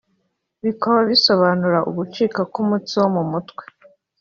bikaba bisobanura ugucika k’umutsi wo mu mutwe